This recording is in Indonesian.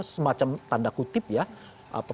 semacam tanda kutip ya